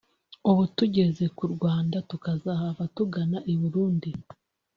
ubu tugeze ku Rwanda tukazahava tugana i Burundi”